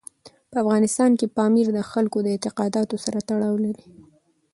په افغانستان کې پامیر د خلکو له اعتقاداتو سره تړاو لري.